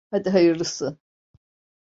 Hadi hayırlısı!